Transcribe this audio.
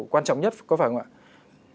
quan trọng nhất có phải không ạ